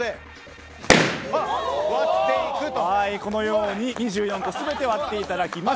このように２４個全て割っていただきます。